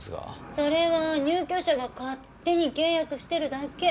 それは入居者が勝手に契約してるだけ。